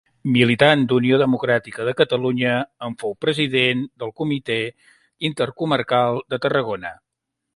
Militant d'Unió Democràtica de Catalunya, en fou president del comitè intercomarcal de Tarragona.